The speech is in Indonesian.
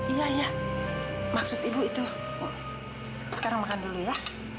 iya iya maksud ibu itu sekarang makan dulu ya